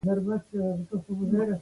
اوبه خړوي او ماهيان پکښي نيسي.